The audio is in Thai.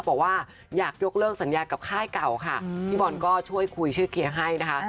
บอกว่าอยากยกเลิกสัญญากับค่ายเก่าค่ะพี่บอลก็ช่วยคุยชื่อเคลียร์ให้นะคะ